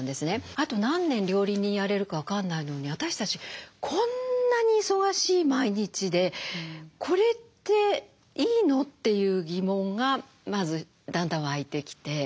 あと何年料理人やれるか分かんないのに私たちこんなに忙しい毎日で「これっていいの？」っていう疑問がまずだんだん湧いてきて。